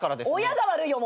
親が悪いよ